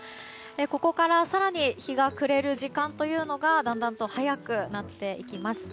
ここから更に日が暮れる時間がだんだんと早くなっていきます。